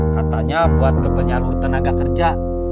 katanya buat kepenyalur tenaga kerja